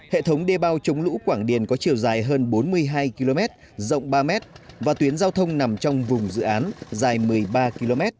hệ thống đê bao chống lũ quảng điền có chiều dài hơn bốn mươi hai km rộng ba m và tuyến giao thông nằm trong vùng dự án dài một mươi ba km